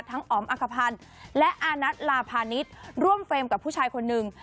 อ๋อมอักภัณฑ์และอานัทลาพาณิชย์ร่วมเฟรมกับผู้ชายคนหนึ่ง